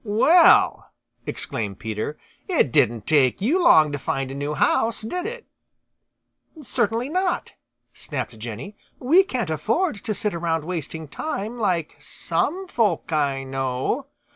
"Well!" exclaimed Peter. "It didn't take you long to find a new house, did it?" "Certainly not," snapped Jenny "We can't afford to sit around wasting time like some folk I know."